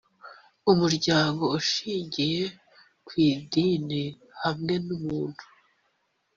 umuryango ushingiye ku idini hamwe n umuntu